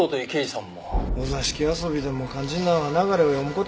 お座敷遊びでも肝心なんは流れを読む事や。